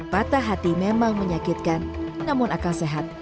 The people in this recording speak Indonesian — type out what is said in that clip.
patah hati memang menyakitkan namun akal sehat